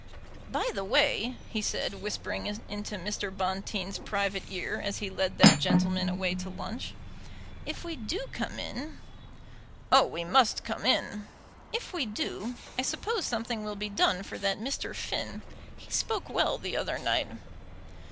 "By the way," he said, whispering into Mr. Bonteen's private ear as he led that gentleman away to lunch, "if we do come in " "Oh, we must come in." "If we do, I suppose something will be done for that Mr. Finn. He spoke well the other night."